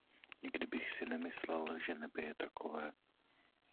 Nikdy bych si nemyslel, že nebe je takové.